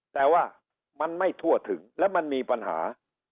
แต่ว่ามันไม่ทั่วถึงและมันมีปัญหา